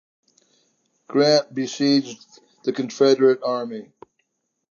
Grant besieged the Confederate army.